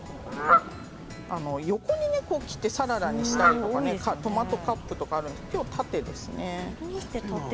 横に切ってサラダにしたりとかトマトカップとかありますけれどもきょうは縦ですね。